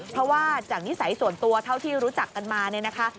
เพราะว่าจากนิสัยส่วนตัวเท่าที่รู้จักกันมาเนี่ยนะคะ